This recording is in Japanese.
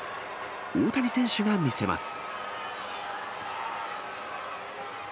大谷選手が見せます。